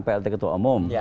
plt ketua umum